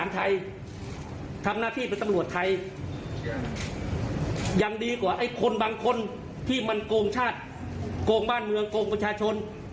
ยังดีกว่าไอ้คนบางคนที่มันโกงชาติโกงบ้านเมืองโกงประชาชน